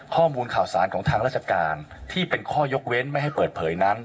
ข้อมูลข่าวสารของทางราชการที่เป็นข้อยกเว้นไม่ให้เปิดเผยนั้น